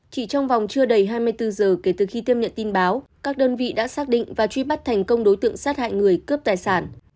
chỉ trong vòng chưa đầy hai mươi bốn giờ kể từ khi tiếp nhận tin báo các đơn vị đã xác định và truy bắt thành công đối tượng sát hại người cướp tài sản